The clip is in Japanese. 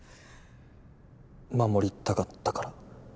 守りたかったから。